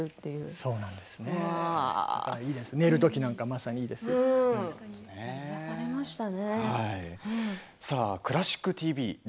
そうなんですねいいですね、寝るときなんか癒やされましたね。